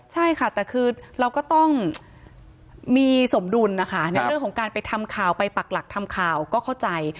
ใช่ค่ะแต่คือเราก็ต้องมีสมดุลนะคะในเรื่องของการไปทำข่าวไปปักหลักทำข่าวก็เข้าใจ